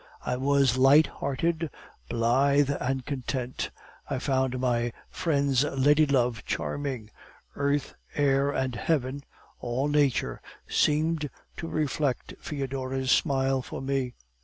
I was light hearted, blithe, and content. I found my friend's lady love charming. Earth and air and heaven all nature seemed to reflect Foedora's smile for me.